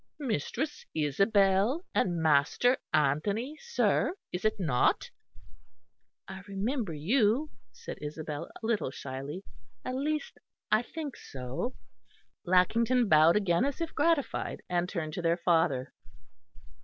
"Mistress Isabel and Master Anthony, sir, is it not?" "I remember you," said Isabel a little shyly, "at least, I think so." Lackington bowed again as if gratified; and turned to their father.